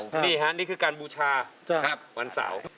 เป็นการบูชาวันเสาร์